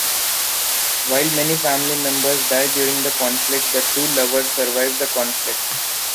While many family members die during the conflict, the two lovers survive the conflict.